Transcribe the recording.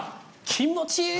気持ちいい！